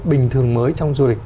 bình thường mới trong du lịch